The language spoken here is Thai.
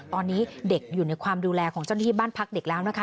ตอนนี้เด็กอยู่ในความดูแลของเจ้าหน้าที่บ้านพักเด็กแล้วนะคะ